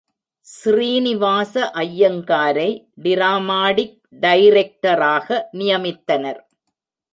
ஸ்ரீனிவாச ஐயங்காரை டிராமாடிக் டைரெக்டராக நியமித்தனர்.